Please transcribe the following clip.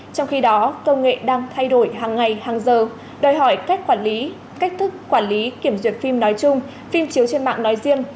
trong khi đó công nghệ đang thay đổi hàng ngày hàng giờ đòi hỏi cách quản lý cách thức quản lý kiểm duyệt phim nói chung phim chiếu trên mạng nói riêng